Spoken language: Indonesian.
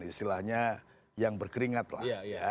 istilahnya yang berkeringat lah